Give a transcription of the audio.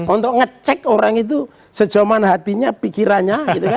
untuk ngecek orang itu sejauhan hatinya pikirannya